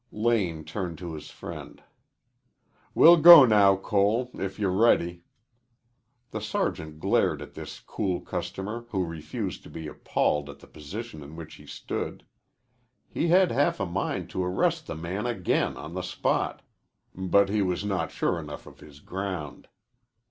Lane turned to his friend. "We'll go now, Cole, if you're ready." The sergeant glared at this cool customer who refused to be appalled at the position in which he stood. He had half a mind to arrest the man again on the spot, but he was not sure enough of his ground.